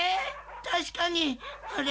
確かにあれ？